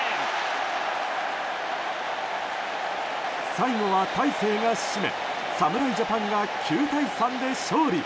最後は大勢が締め侍ジャパンが９対３で勝利。